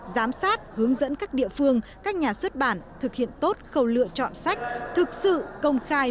giám sát hướng dẫn các địa phương các nhà xuất bản thực hiện tốt khẩu lựa chọn sách thực sự công khai